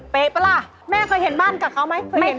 ปะล่ะแม่เคยเห็นบ้านกับเขาไหม